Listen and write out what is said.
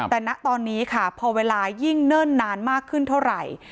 แต่ณตอนนี้ค่ะพอเวลายิ่งเนิ่นนานมากขึ้นเท่าไหร่